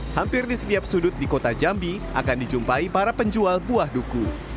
hampir di setiap sudut di kota jambi akan dijumpai para penjual buah duku